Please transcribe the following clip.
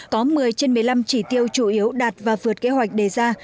có một mươi trên một mươi năm chỉ tiêu chủ yếu đạt và vượt kế hoạch đề ra